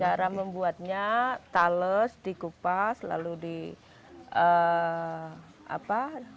cara membuatnya tales dikupas lalu di apa